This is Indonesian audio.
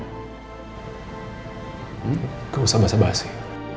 nggak usah bahasa bahasa sih